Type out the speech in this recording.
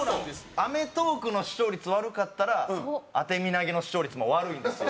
『アメトーーク』の視聴率悪かったら『あてみなげ』の視聴率も悪いんですよ。